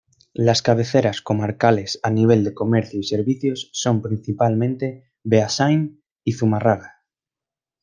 Las cabeceras comarcales a nivel de comercio y servicios son principalmente Beasáin y Zumárraga.